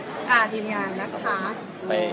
ทีมงานนะคะ